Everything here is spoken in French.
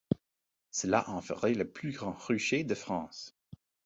Cela en ferait le plus grand rucher de France.